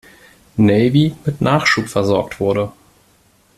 Navy mit Nachschub versorgt wurde.